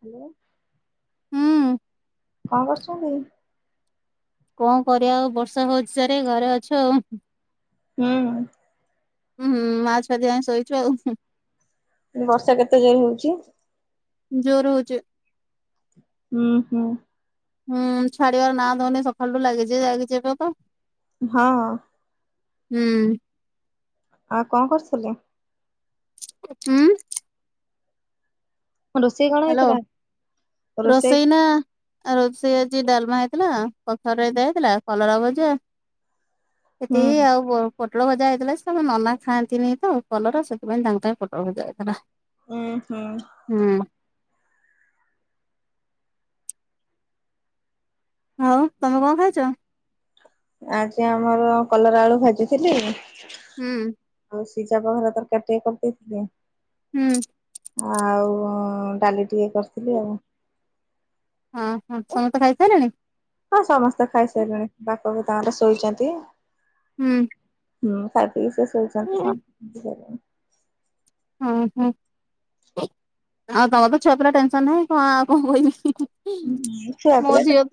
Hello. ହୁଁ। କଣ କରୁଛନ୍ତି? କଣ କରିବା ଆଉ ବର୍ଷା ହଉଛି ଚାରେ ଘରେ ଅଛୁ ଆଉ। ହୁଁ। ହୁଁ ମା ଛୁଆ ଦିଏଁ ଶୋଇଛୁ ଆଉ। ହୁଁ ବର୍ଷା କେତେ ଯୋରେ ହଉଛି? ଯୋରେ ହଉଚି଼। ହୁଁ ହୁଁ। ହୁଁ ଛାଡିବାର ନାଁ ଧରୁନି, ସକାଳୁଠୁ ଲାଗିଛି ଲାଗିଚି ଏ ପର୍ଯ୍ୟନ୍ତ। ହଁ। ହୁଁ। ଆଉ କଣ କରୁଥିଲେ? ହୁଁ। ରୋଷେଇ କଣ ହ୍ୟାଲୋ ହେଇଥିଲା? ରୋଷେଇ ରୋସେଇ ନା ଆଉ ରୋଷେଇ ଆଜି ଡାଲମା ହେଇଥିଲା, କଖାରୁ ରାଇତା ହେଇଥିଲା, କଲରା ଭଜା ହୁଁ ଏତିିକି ଆଉ କଣ? ପୋଟଳ ଭଜା ହେଇଥିଲା, ସେ ନନା ଖାଆନ୍ତିନି ତ କଲରା, ସେଥିପାଇଁ ତାଙ୍କ ପାଇଁ ପୋଟଳ ଭଜା ହେଇଥିଲା। ଉୁଁ ହୁଁ। ହୁଁ। ଆଉ ତମେ କଣ ଖାଇଛ? ଆଜି ଆମର କଲରା ଆଳୁ ଭାଜିଥିଲି। ହୁଁ। ଆଉ ସିଝା ପହରା ତରକାରୀ ଟେ କରିଦେଇଥିଲେ। ହୁଁ। ଆଉ ଡାଲି ଟିକେ କରିଥିଲି ଆଉ। ହଁ ହଁ ସମସ୍ତେ ଖାଇ ସାରିଲେଣି? ହଁ ସମସ୍ତେ ଖାଇସାରିଲେଣି। ବାପ ବି ତାଙ୍କର ଶୋଇଛନ୍ତି। ହୁଁ। ହୁଁ ଖାଇ ପିଇ କି ସମସ୍ତେ ଶୋଇଚନ୍ତି, ସ ସିଏ ହୁଁ ହୁଁ। ଆଉ ତମର ତ ଛୁଆ ପିଲା ଟେନସନ ନାହିଁ କଣ ଆଉ କଣ କହିବି? ହୁଁ ମୋ ହୁଁ ଝିଅ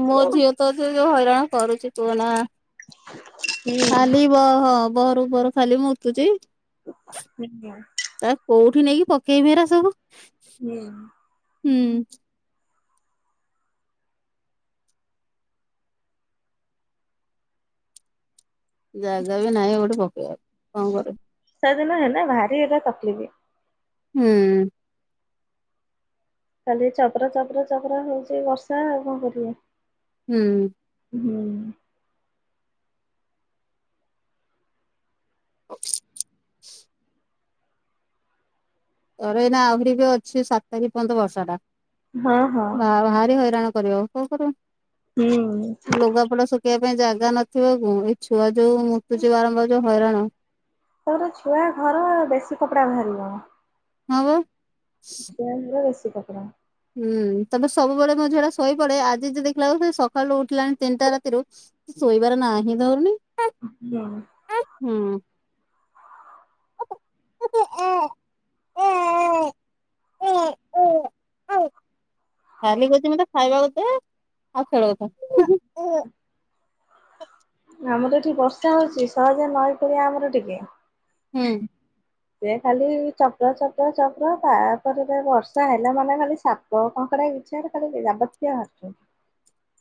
ମୋ ଝିଅ ତ ଯୋଉ ହଇରାଣ କରୁଛି କୁହନା। ଖାଲି ବ ହଁ ବହରୁ ବୋରୁ ଖାଲି ମୁତୁଛି। ଆଜ୍ଞା [inaudible] ଆ କୋଉଠି ନେଇକି ପକେଇବି ହେରା ସବୁ? ହୁଁ ହୁଁ ଜାଗା ବି ନାହିଁ ଗୋଟେ ପକେଇଆକୁ କଣ କରି ସେଦିନ ହେଲା ଭାରି ଏଟା ତକଲିଫ୍। ହୁଁ। କାଲି ଚପର ଚପର ଚପର ହଉଚି ବର୍ଷା ଆଉ କଣ କରିଆ? ହୁଁ। ହୁଁ ତରେ ଏଇନା ଆହୁରି ବି ଅଛି ସାତ ତାରିଖ ପର୍ଯ୍ୟନ୍ତ ବର୍ଷ ଟା। ହଁ ହଁ ମା ଭାରି ହଇରାଣ କରିବ କଣ କରିବା? ହୁଁ ଲୁଗାପଡା ଶୁ ଶୁଖେଇଆ ପାଇଁ ଜାଗା ନଥିବ ପୁ ଏଇ ଛୁଆ ଯୋଉ ମୁତୁଛି ବାରମ୍ବାର ଯୋଉ ହଇରାଣ ତୋର ଛୁଆ ଘର ବେଶୀ କପଡା ବାହାରିବ। ହଁ ବା। [unintelligible] ବେଶୀ କପଡ଼ା ହୁଁ ତାର ତ ସବୁବେଳେ ମୋ ଝୁଅଟା ଶୋଇପଡେ ଆଜି ଯାଇ ଦେଖିଲା ବେଳୁ ସେ ସକାଳୁ ଉଠିଲାଣି ତିନିଟା ରାତିରୁ ଶୋଇବାର ନା ହିଁ ଧରୁନି। ଅ ହ ହୁଁ [unintelligible] ଖାଲି କହୁଛି ମତେ ଖାଇବାକୁ ଦେ ଆଉ ଖେଳଉ ଥା। ଆମର ଏଠିକି ବର୍ଷା ହଉଛି ଶହେଯେ ନଈ କୂଳିଆ ଆମର ଟିକେ। ହୁଁ। ସେ ଖାଲି ଚପ ଚପ ଚପ ତାପରେ କଣ ବର୍ଷା ହେଲା ମାନେ ଖାଲି ସାତ୍ କ କଙ୍କଡା ବିଚାର କଲି ଯାବତୀୟ ବାରୁଛ।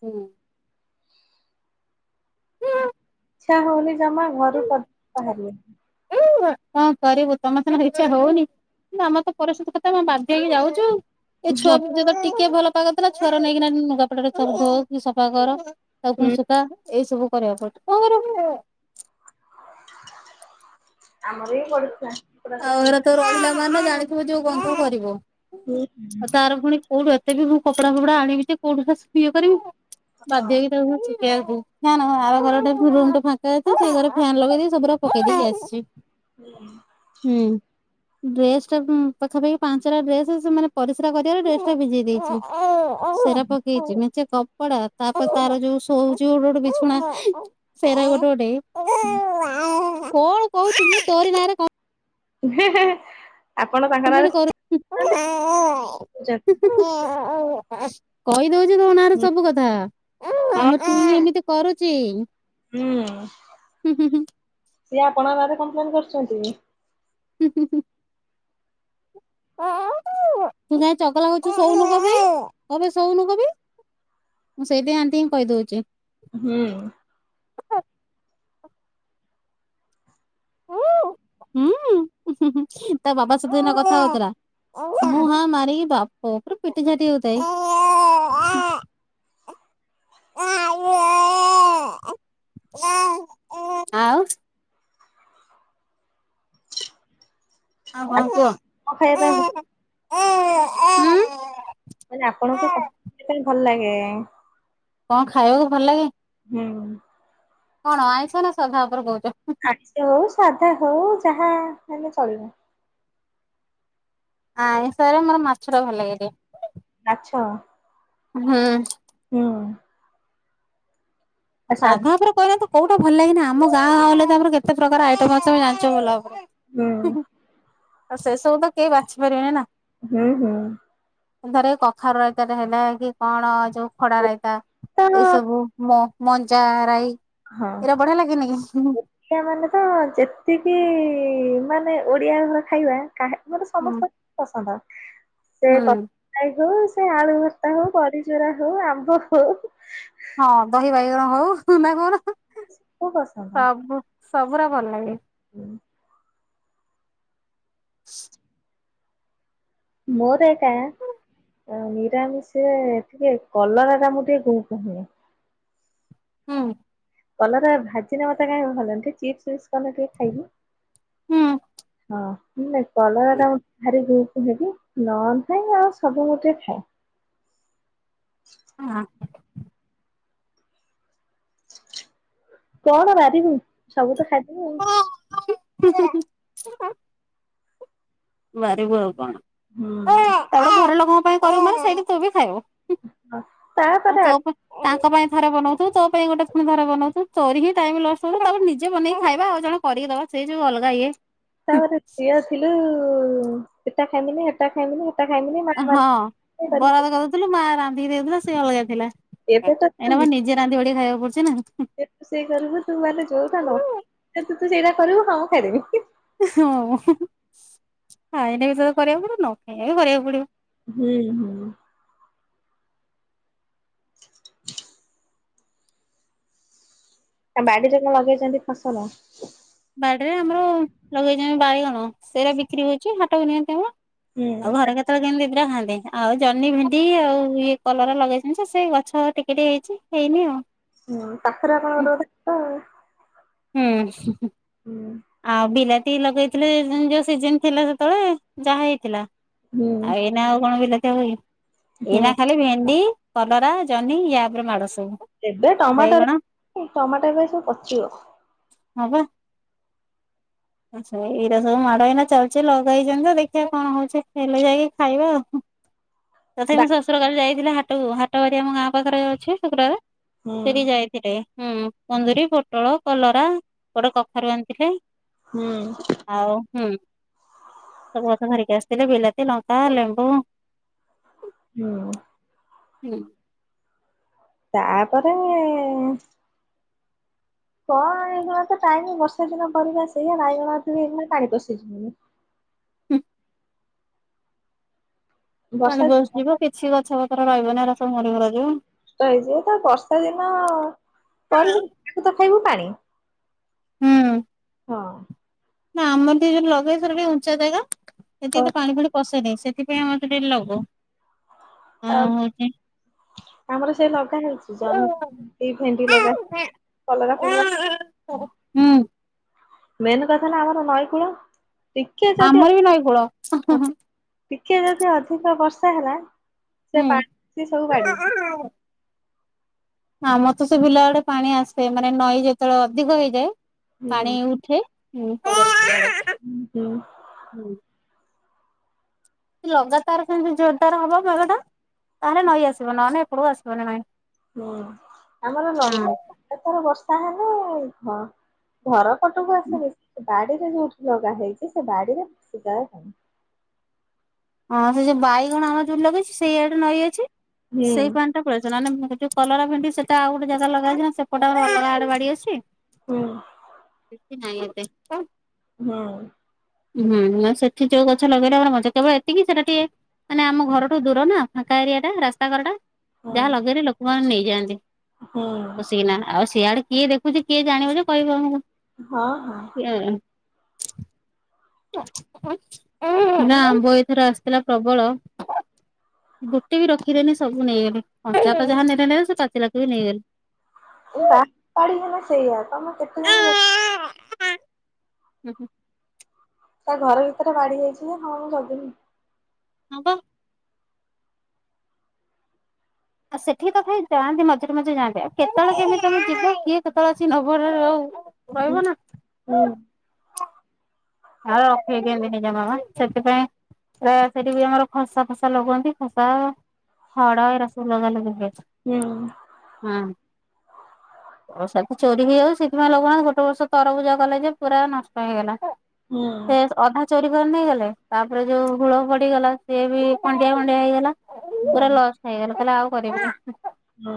ହୁଁ। ଇଚ୍ଛା ହଉନି ଜମା ଘରୁ ପଦାକୁ ବାହାରିଆକୁ। ଉଁ କଣ କରିବୁ ତମର ସିନା ଇଚ୍ଛା ହଉନି କିନ୍ତୁ ଆମର ତ ପରିସ୍ଥିତି କଥା ଆମେ ବାଧ୍ୟ ହେଇକି ଯାଉଚୁ। ଏ ଛୁଆ ହଁ ଯେବେ ଟିକେ ଭଲ ପାଗ ଥିଲା ଛୁଆର ନେଇକିନା ଲୁଗା ପଟାରେ ସବୁ ଧୋଇକି ସଫା କର ତା ପୁଣି ହୁଁ। ସ୍ଵତା ଏଇ ସବୁ କରିଆକୁ ପଡେ କଣ କରିବୁ? ଆମର ହିଁ ବଡ଼ଛୁଆ ସେଟା ଆଉ ସୁଚି। ଏରା ତ ରହିଲା ମାନେ ଜାଣିଥିବ ଯୋଉ ଗନ୍ଧ କରିବ ହୁଁ ଆଉ ତାର ପୁଣି କୋଉଠୁ ଏତେ ବି ମୁଁ କପଡା ଫପଡା ଆଣିବି ଯେ କୋଉଠୁ ପାଷ୍ଟ ଇଏ କରିବି ବାଧ୍ୟ ହେଇକି ତାକୁ ଏୟାକୁ ଫ୍ୟାନ୍ ଆର ଘରଟା ଫୁଲ୍ ମୁଁ ତ ଫାଙ୍କା ଅଛି ସେଇ ଘରେ ଫ୍ୟାନ୍ ଲଗେଇଦେଇ ସବୁୁରା ପକେଇ ଦେଇକି ଆସିଛି। [inaudible] ହୁଁ ଡ୍ରେସଟା ଉଁ ପାଖାପାଖି ପାଞ୍ଚଟା ଡ୍ରେସ୍ ସେ ମାନେ ପରିସ୍ରା କରିଆରେ ଡ୍ରେସଟା ଭିଜେଇ ଦେଇଛି। ସେରା ପକେଇଛି ମେଞ୍ଚେ କ ପଡା ତାପରେ ତାର ଯୋଉ ଶୋଉଛି ଗୋଟେ ଗୋଟେ ବିଛଣା ସେରା ଗୋଟେ ଗୋଟେ କଣ କହୁଛୁ ମୁଁ ତୋରି ନାଁରେ କ ହେଁ ହେଁ ହେଁ କଂପ୍ଲେନ୍ କରୁ ହୁଁ ହୁଁ ହୁଁ ହୁଁ କହିଦଉଛି ତୋ ନାଁରେ ହଁ ସବୁ କଥା ଆମର ଚୁଇଁନ ଏମିତି କରୁଛି। ହୁଁ ହୁଁ ହୁଁ ସିଏ ଆପଣଙ୍କ ନାରେ କମ୍ପଲେନ୍ କରୁଛନ୍ତି। [unintelligible] ତୁ ଯାଇ ଚଗଲା ହଉଚୁ ଶୋଉନୁ କଣ ପାଇଁ କଣ ପାଇଁ ଶୋଉନୁ କଣ ପାଇଁ? ମୁଁ ସେଇଥି ପାଇଁ ଅନ୍ତିଙ୍କି କହିଦଉଚି। ହୁଁ। ହୁଁ ତା ବାବା ସହିତ ଏଇନା କଥା ହଉଥିଲା। ହୁଁ ହାଁ ମାରିକି ବାପ ପୁରା ପିଟିଝାଟି ହଉଥାଏ। [unintelligible] ଆଉ ଆଉ କଣ ଆପଣ କୁହ ଖାଇବା ପାଇଁ [unintelligible] ମାନେ ଆପଣଙ୍କୁ ତ ସେଇ ଭଲ ଲାଗେ। କଣ ଖାଇବାକୁ ଭଲ ଲାଗେ? ହୁଁ। କଣ ଆଇଁସ ନା ସଧା ଉପରେ କହୁଛ? ଆକଷ ହଉ ସାଧା ହଉ ଯାହା ହେଲେ ଚଳିବ। ଆଇଁଷ ରେ ମୋର ମାଛ ଟା ଭଲ ଲାଗେ ଟିକେ। ମାଛ? ହୁଁ। ହୁଁ। ଆ ସା ସାଧା ଉପରେ କହିନାହାନ୍ତି କୋଉଟା ଭଲ ଲାଗେନି ଆମ ଗାଁ ହେଲେ ଆମର କେତେ ପ୍ରକାର ଆଇଟମ୍ ଅଛି ଆମେ ଜାଣିଛ ଭଲ ହୁଁ ଭାବରେ। ଆଉ ସେ ସବୁ ତ କେହି ବାଛିପାରିବେନି ନା। ହୁହଉ ହୋ। ଧରେ କଖାରୁ ରାଇତାଟା ହେଲା କି କଣ ଯୋଉ ଖଡ଼ା ରାଇତା ତ ଏଇ ସବୁ। ମ ମଞ୍ଜା ରାଇ ହଁ। ଏଇରା ବଢ଼ିଆ ଲାଗେନି କି? ଓଡ଼ିଆ ମାନେ ତ ଯେତିକି ମାନେ ଓଡ଼ିଆ ଘର ଖାଇବା କାହା ମତେ ହୁଁ ସମସ୍ତଙ୍କୁ ପସନ୍ଦ ସେ କ [unintelligible] ହଉ ସେ ଆଳୁ ଭର୍ତ୍ତା ହଉ ବଡ଼ିଚୁରା ହଉ ଆମ୍ବ ହଉ। ହଁ ଦହି ବାଇଗଣ ହଉ ନା କହୁନ କୁ ପସନ୍ଦ ସବୁ ସବୁୁରା ଭଲ ଲାଗେ। ହୁଁ। [unintelligible] ମୋର ଏକା ଆ ନିରାମି ସେ ଟିକେ କଲରା ଟା ମୁଁ ଟିକେ [unintelligible] ହୁଁ। କଲରା ଭାଜିନେ ମତେ କାଇଁ [unintelligible] ସେ ଚିପ୍ସିଫିପ୍ସ କଲେ ଟିଏ ଖାଇବି। ହୁଁ ହଁ [unintelligible] କଲରା ଟା ଭାରି କୁହେ କି? ନଅନ୍ [unintelligible] ସବୁ ଗୋଟେ ଖାଏ। ହଁ। କଣ ବାରିବୁ ସବୁ ତ ଖାଇଦବୁ ଆଉ। [unintelligible] ବାରିବୁ ଆଉ କଣ ହୁଁ ତାପରେ ଘର ଲୋକଙ୍କ ପାଇଁ କରିବୁ ମାନେ ସେଇଠି ତୁ ବି ଖାଇବୁ। ତାପରେ ଆଉ ଆ ତୋ ପାଈଁ ତାଙ୍କ ପାଇଁ ଥରେ ବନଉଥିବୁ ତୋ ପାଇଁ ଗୋଟେ ଫୁଣି ଥରେ ବନଉଥିବୁ ତୋର ବି ଟାଇମ୍ ଲସ ହବ ତାପରେ ନିଜେ ବନେଇକି ଖାଇବା ଆଉ ଜଣ କରିକି ଦେବା ସେଇ ଯୋଉ ଅଲଗା ଇଏ ତାପରେ ଝିଅ ଥିଲୁ ସେଟା ଖାଇମିନି ଏଟ ଏଟା ଖାଇମିନି ସେଟା ଖାଇମିନି ବାପା ମା ଥିଲୁ ମା ରାନ୍ଧିକି ଦେଉଥିଲା ସେ ଅଲଗା ଥିଲା ଏବେ ଏଇନା ତ ମୋ ନିଜେ ରାନ୍ଧି ବାଢିକି ଖାଇବାକୁ ପଡୁଛି ନା। ରୋଷେଇ କରିବୁ ତୁ ମାନେ ଯୋଉଟା ନ [inaudible] ତୁ ତ ସେଇଟା କରିବୁ କଣ କରିବୁ। ହଁ ଖାଇଲେ ବି ସେଇୟାକୁ କରିବାକୁ ପଡିବ ନ ଖାଇଲେ ବି କରିବାକୁ ପଡିବ। ହୁଁ ହୁଁ। କେଵଳ ଶବ୍ଦ ବାଡିରେ କଣ ଲଗେଇଛନ୍ତି ଫସଲ? ବାଡିରେ ଆମର ଲଗେଇଛନ୍ତି ବାଇଗଣ ସେଇରା ବିକ୍ରି ହଉଛି ହାଟକୁ ନିଅନ୍ତି ଆମର। ହୁଁ ଆଉ ଘରେ କେତେବେଳେ କେମିତି ରହନ୍ତି ଆଉ ଜହ୍ନି ଭେଣ୍ଡି ଆଉ ଇଏ କଲରା ଲଗେଇଛନ୍ତି ସେ ଗଛ ଟିକେ ଟିକେ ହେଇଛି ହେଇନି ଆଉ। ହୁଁ ପାଖରେ ଆପଣଙ୍କ [inaudible] ଆଉ ହୁଁ, ହୁଁ ଆଉ ବିଲା ତି ଲଗେଇଥିଲେ ଯୋଉ ସିଜିନ ଥିଲା ସେତେବେଳେ ଯାହା ହେଇଥିଲା, ଆଉ ଏ ନା ଆଉ କଣ ବିଲାତି ହବ କି? ହୁଁ ଏଇନା ଖାଲି ଭେଣ୍ଡି କଲରା, ଜହ୍ନି ୟାଉପରେ ମାଡ ସବୁ। ଏବେ ଟମାଟୋ ବାଇଗଣ [inaudible] ଟମାଟରା ସବୁ ପଚିବ। ହଁ ପା ଆଛା ଏଇରା ସବୁ ମାଡ ଏଇନା ଚାଲିଚି ଲଗେଇଛନ୍ତି ଯେ ଦେଖିଆ କଣ ହଉଛି ହେଲେ ଯାଇକି ଖାଇବା ଆଉ। ତଥାପି ଦା ମୋ ଶଶୁର କାଲି ଯାଇଥିଲେ ହାଟକୁ ହାଟ ବାରି ଆମ ଗାଁ ପାଖରେ ଅଛି ଶୁକ୍ରବାର ହୁଁ ସେଠି ଯାଇ ରେ ହୁଁ କୁନ୍ଦୁରୀ, ପୋଟଳ, କଲରା, ଗୋଟେ କଖାରୁ ଆଣିଥିଲେ। ହୁଁ। ଆଉ ହୁଁ ସବୁ କିଥା ଧରିକି ଆସିଥିଲେ ବିଲାତି, ଲଙ୍କା, ଲେମ୍ବୁ ହୁଁ। ହୁଁ। ତାପରେ ଏ କଣ ଏଇନେକା ତ ଟାଇମ ବର୍ଷା ଦିନ ପରିବା ସେଇଆ ବାଇଗଣ ଥିଲା ପାଣି ପଶିଯିବଣି। ହୁଁ। ବର୍ଷା ପାଣି ନଷ୍ଟ ପଶିଯିବ କିଛି ଗଛ ପତ୍ର ରହିବନି ହେରା ସବୁ ମରି ମୁରା ଯିବ। ଷ୍ଟ ହେଇଯିବ ତ ବର୍ଷା ଦିନ ପରବିନ ତ ଖାଇବୁ ପାଣି। ହୁଁ। ହଁ। ନା ଆମର ଟିକେ ଲଗେଇ ଥିଲୁ ଉଚା ଜାଗା ଏଠି ହଁ। ଏତେ ପାଣି ଫାଣି ପଶେନେଇ ସେଥିପାଇଁ ଆମ ଟିକେ ଲଗଉ। ଆଉ ହଉଛି ଆମର ସେ ଲଗା ହେଉଛି ଜହ୍ନି ଭେଣ୍ଡି ଲଗା କଲରା ଫଲରା ହୁଁ। ମେନ୍ କଥା ହେଲା ଆମର ନଈ କୂଳ, ଟିକେ ଯଦି ଆମର ବି ନଈ କୂଳ [inaudible] ଟିକେ ଯଦି ଅଧିକ ବର୍ଷା ହେଲା ସେ ହୁଁ। ପାଣି ସବୁ [inaudible] ଆମର ତ ସେ ବିଲ ଆଡେ ପାଣି ଆସେ ମାନେ ନଈ ଯେତେବେଳେ ଅଧିକ ହେଇଯାଏ, ହୁଁ ପାଣି ଉଠେ। ହୁଁ ହୁଁ ହୁଁ। ହୁଁ। ଲଗାତାର ସେମିତି ଜୋରଦାର ହବ ବେଢ ଟା ତାହେଲେ ନଈ ଆସିବ ନଲେ ଏପଟକୁ ଆସିବନି ନାଇଁ ହୁଁ ଆମର ଏଥର ବର୍ଷା ହେଲେ ଘର [unintelligible] ସେ ବାଡିରେ ଯୋଉଠି ଲଗା ହେଇଛି ସେ ବାଡିରେ ହଁ, ସେ ଯୋଉ ବାଇଗଣ ଆମର ଯୋଉଠି ଲଗେଇଛୁ ସେଇ ଆଡେ ନଈ ଅଛି ହୁଁ ସେଇ ପା [unintelligible] କଲରା ଭେଣ୍ଡି ସେଟା ଆଉ ଗୋଟେ ଜାଗାରେ ଲଗାହେଇଥିଲା ସେପଟେ ଅଲଗା ଆଡ଼େ ବାଡି ଅଛି। ହୁଁ। କିଛି ନାଇଁ ଏତେ। ହଁ। ହୁଁ, ନହେଲେ ସେଠି ଯୋଉ ଗଛ ଲଗେଇଲେ ମୋର ବଞ୍ଚେ। କେବଳ ଏତିକି ସେଟା ଟିକେ ମାନେ ଆମ ଘରଠୁ ଦୂର ନା ଫାଙ୍କା ଏରିଆ ଟା ରାସ୍ତା କର ଟା ହୁଁ ଯାହା ଲଗେଇଲେ ଲୋକ ଲୋକମାନେ ନେଇଯାଆନ୍ତି ହୁଁ ପସିକିନା। ଆଉ ସିଆଡେ କିଏ ଦେଖୁଛି କିଏ ଜାଣିବ ଯେ କହିବ ହଁ ହଁ। ହଁ ନା ଆମ୍ୱ ଏଥର ଆସିଥିଲା ପ୍ରବଳ। ଗୋଟେ ବି ରଖିିଲେନି ସବୁ ନେଇଗଲେ। ଅଣ୍ଡିରାକ ଯାହା ନେଲେନେଲେ ସେ ପାଚିଲାକ ବି ନେଇଗଲେ। ଏ ବାଡି ଫାଡି ହେଲା ସେଇଆ ତମେ କେତେଯାଇଁକି ହୁଁ ହୁଁ। ଘର ଭିତରେ ବାଡି ହେଇଛି ଯେ ହଁ ମୁଁ ଜଗିବି। ହଁ ବା। ଆଉ ସେଠିକି ତ କେହି ଯାଆନ୍ତି ମଝିରେ ମଝିରେ ଯାଆନ୍ତି ଆଉ କେତେବେଳେ କେମିତି ତମେ ଯିବ କିଏ କେତେବେଳେ ଆସିକି ନବ ହେରା ଆଉ ହୁଁ କହିବ ନା। ହୁଁ ଆଉ ରଖିବେ କେମିତି। ଜେଜେ ମାମା, ସେଥିପାଇଁ ପ୍ରାୟ ସେଠିବି ଆମର ଖସା ଫସା ଲଗାନ୍ତି। ଖସା ଖଡା ଏରା ସବୁ ଲଗାଲଗି କରିଛନ୍ତି। ହୁଁ। ହଁ। ହ ବରଷାକୁ ଚୋରି ହେଇଯାଉଛି ସେଥିପାଇଁ ଲଗଉନାହାନ୍ତି ଗୋଟେ ବର୍ଷ ତରଭୁଜ କଲେ ଯେ ପୁରା ନଷ୍ଟ ହେଇଗଲା। ସେ ଅଧା ଚୋରି କରି ନେଇଗଲେ ତାପରେ ଯୋଉ ଗୋଡ ପଡିଗଲା ସିଏ ବି ଖଣ୍ଡିଆ ଫଣ୍ଡିଆ ହେଇଗଲା। ହୁଁ ପୁରା ଲସ୍ ଖାଇଗଲେ, କହିଲେ ଆଉ କରିବିନି। ହଁ।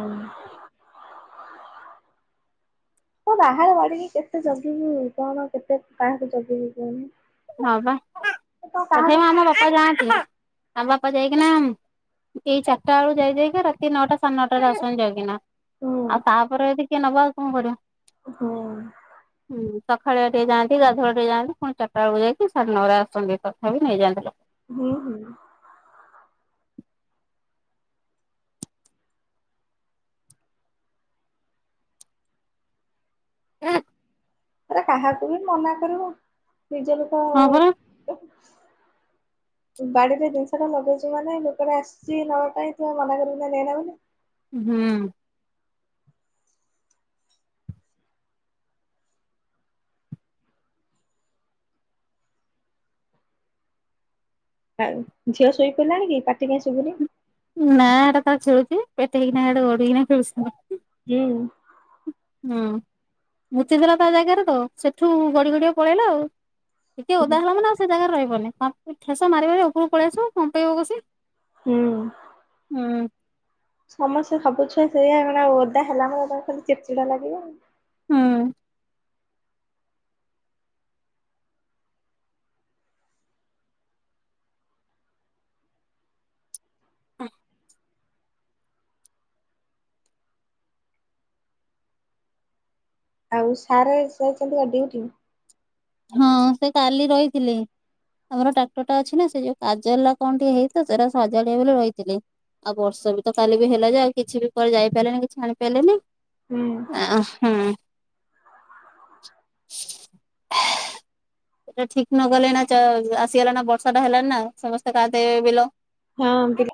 ହଁ ବାହାରେ ବାଡିକି କେତେ ଜଗିବୁ କଣ କେତେ କାହାକୁ ଜଗିବି କହୁନ। ହଁ ବା, ତଥାପି ଆମ ବାପା ଯାଆନ୍ତି। ଆମ ବାପା ଯାଇକିନା ଏଇ ଚାରିଟା ବେଳୁ ଯାଇ ଯାଇକା ରାତି ନଅଟା ସାଢେ ନଅଟାରେ ଆସନ୍ତି ଯାଇକିନା। ହୁଁ ଆଉ ତାପରେ ଯଦି କିଏ ନବ କଣ କରିବ। ହଁ। ହୁଁ, ସଖାଳୁଆ ଟିକେ ଯାଆନ୍ତି, ଗାଧୁଆବେଳେ ଟିକେ ଯାଆନ୍ତି, ଫୁଣି ଚାରିଟା ଚାରିଟା ବେଳକୁ ଯାଇକି ସାଢେ ନଅରେ ଆସନ୍ତି ତଥାପି ନେଇଯାଆନ୍ତି ଲୋକ। ହୁଁ ହୁଁ। ଏକ କାହାକୁ ବି ମନା କରିବୁ ନିଜ ଲୋକ ହଁ ପରା। ହ ବାଡିରେ ଜିନିଷ ଟା ଲଗେଇଛୁ ମାନେ ଲୋକଟା ଆସିଛି ନବା ପାଇଁ ତୁ କଣ ମନା କରିବୁ ନା ନେଏନା ବୋଲି। ହୁଁ। ଆଉ ଝିଅ ଶୋଇ ପଡ଼ିଲାଣି କି? ପାଟିି କାଇଁ ଶୁଭୁନି। ନା [unintelligible] ଖେଳୁଛି ପେଟେଇକିନା ହିଆଡେ ଗଡିକିନା ଖେଳୁଛି। ହୁଁ। ହୁଁ ମୂତିଦେଲା ତା ଜାଗାରେ ତ ସେଠୁ ଗଡି ଗଡି ପଳେଇଲା ଆଉ। ଟିକେ ଓଦା ହୁଁ। ହେଲା ମାନ ଆଉ ସେ ଜାଗାରେ ରହିବନି ଠେସ ମାରି ମାରି ଉପରକୁ ପଳେଇ ଆସିବୁ କମ୍ପେଇବ କସି ହୁଁ। ହୁଁ। ସମସ୍ତେ ସବୁ ଛୁଆ ସେଇଆ ମାନେ ଓଦା ହେଲା ମାନେ ଖାଲି ଚିଡି ଚିଡା ଲାଗିବ ଆଉ। ହୁଁ। ହୁଁ। ଆଉ ସାର୍ ଯାଇଛନ୍ତି ପା ଡ୍ୟୁଟି। ହଁ ସେ କାଲି ରହିଥିଲେ। ଆମର ଟ୍ରାକ୍ଟର ଟା ଅଛି ନା ସେ ଯୋଉ କାଜଲା କଣ ଟିକଏ ହେଇଥିଲା ସେଟା ସଜାଡିବେ ବୋଲି ରହିଥିଲେ। ଆଉ ବର୍ଷା ବି ତ କାଲି ବି ହେଲା ଯେ ଆଉ କିଛି ବି କୁଆଡେ ଯାଇପାରିଲନି କିଛି ଆଣି ପାରିଲେନି। ହୁଁ ଆ ହୁଁ। ସେଟା ଠିକ ନଗଲେ ନା ଚ ଆସିଗଲା ନା ବର୍ଷା ଟା ହେଲାନି ନା ସମସ୍ତେ କାଧେଇବେ ବିଲ। ହଁ ବିଲ